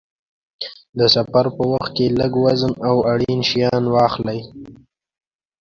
د سفر په وخت کې لږ وزن او اړین شیان واخلئ.